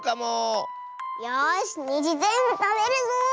よしにじぜんぶたべるぞ！